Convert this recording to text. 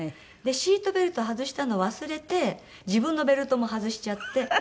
シートベルトを外したのを忘れて自分のベルトも外しちゃって。